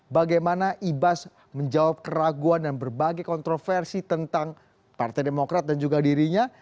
bagaimana ibas menjawab keraguan dan berbagai kontroversi tentang partai demokrat dan juga dirinya